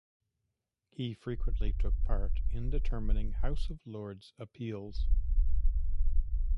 He frequently took part in determining House of Lords appeals.